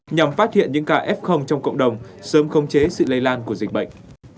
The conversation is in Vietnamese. nhằm phát hiện những ca f trong cộng đồng sớm khống chế sự lây lan của dịch bệnh